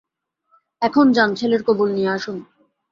এখন যান, ছেলের কবুল নিয়ে আসুন!